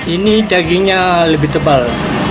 ini dagingnya lebih tebal